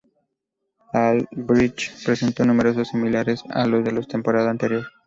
Aldridge presentó números similares a los de la temporada anterior.